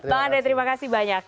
bang andre terima kasih banyak